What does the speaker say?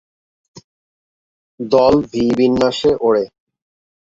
দল V বিন্যাসে ওড়ে।